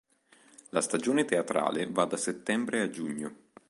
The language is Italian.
La stagione teatrale va da settembre a giugno.